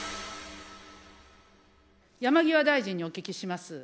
山際大臣にお聞きします。